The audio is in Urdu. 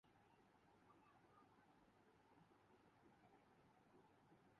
چیمپئنز لیگ ریال میڈرڈ نے یووینٹس کو سے شکست دے دی